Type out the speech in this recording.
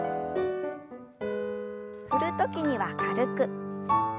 振る時には軽く。